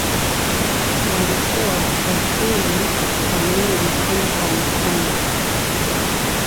walikuwa wakisafiri kwa meli kwenda hong kong